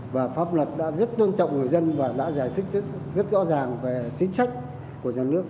và pháp luật đã rất tôn trọng người dân và đã giải thích rất rõ ràng về chính sách của nhà nước